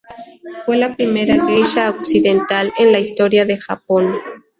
Fue la primera geisha occidental en la historia de Japón.